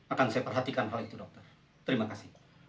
akan saya perhatikan hal itu dokter terima kasih